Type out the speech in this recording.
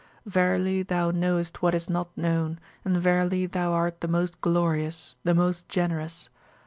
Verily Thou knowest what is not known, and verily Thou art the most Glorious, the most Generous!